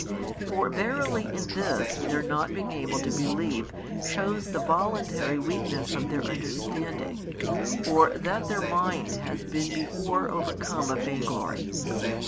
for verily in this their not being able to believe shews the voluntary weakness of their understanding or that their mind has been before overcome of vainglory.